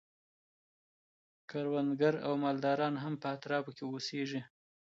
کروندګر او مالداران هم په اطرافو کي اوسیږي.